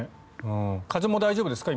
風も大丈夫ですか？